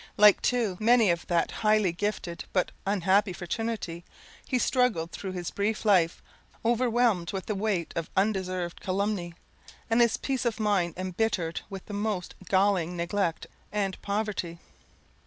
Like too many of that highly gifted, but unhappy fraternity, he struggled through his brief life, overwhelmed with the weight of undeserved calumny, and his peace of mind embittered with the most galling neglect and poverty.